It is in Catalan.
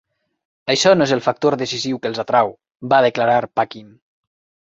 Això no és el factor decisiu que els atrau, va declarar Paquin.